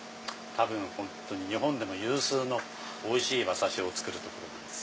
多分ホントに日本でも有数のおいしい馬刺しを作る所なんです。